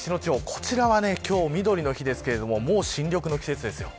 こちらは今日みどりの日ですがもう新緑の季節です。